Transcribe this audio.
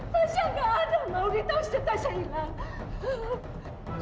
tasya gak ada mau ditanggung sejak tasya hilang